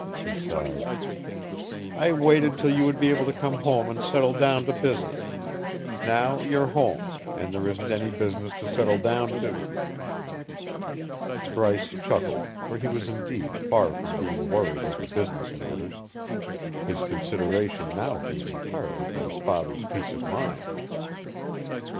He sighed. "I waited till you would be able to come home and settle down to business; now you're home, and there isn't any business to settle down to." Bryce chuckled, for he was indeed far from being worried over business matters, his consideration now being entirely for his father's peace of mind.